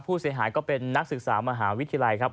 ผู้เสียหายก็เป็นนักศึกษามหาวิทยาลัยครับ